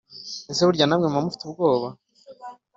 ese burya namwe muba mufite ubwoba!?"